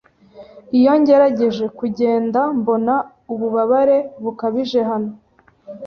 Iyo ngerageje kugenda, mbona ububabare bukabije hano.